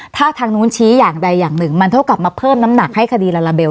ถ้าทางนู้นชี้อย่างใดอย่างหนึ่งมันเท่ากับมาเพิ่มน้ำหนักให้คดีลาลาเบล